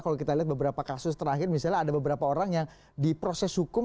kalau kita lihat beberapa kasus terakhir misalnya ada beberapa orang yang diproses hukum